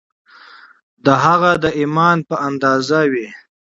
د هغه د ایمان په اندازه وي